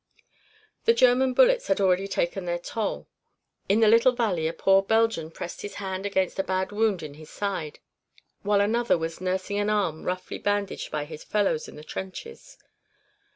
The German bullets had already taken their toll. In the little valley a poor Belgian pressed his hand against a bad wound in his side, while another was nursing an arm roughly bandaged by his fellows in the trenches.